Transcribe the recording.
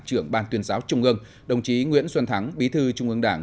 trưởng ban tuyên giáo trung ương đồng chí nguyễn xuân thắng bí thư trung ương đảng